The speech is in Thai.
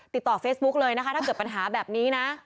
ติดต่อเฟซบุ๊กเลยนะคะถ้าเกิดปัญหาแบบนี้นะ